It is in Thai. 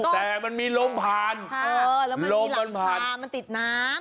แต่มันมีลมผ่านเออแล้วมันมีหลังคามันติดน้ำ